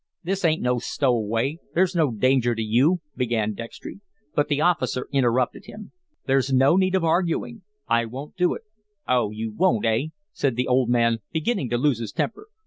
"This ain't no stowaway. There's no danger to you," began Dextry, but the officer interrupted him: "There's no need of arguing. I won't do it." "Oh, you WON'T, eh?" said the old man, beginning to lose his temper.